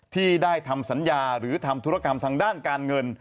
ที่ได้ทำสัญญาหรือทำธุรกรรมทางด้านการเงิน